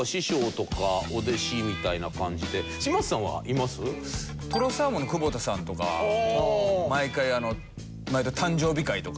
とろサーモンの久保田さんとか毎回誕生日会とか。